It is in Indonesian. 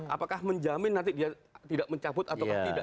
apakah menjamin nanti dia tidak mencabut atau tidak